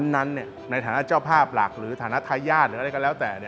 ในฐานะเจ้าภาพหลักหรือฐานะทายาทหรืออะไรก็แล้วแต่